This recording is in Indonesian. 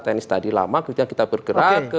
teknis tadi lama kemudian kita bergerak ke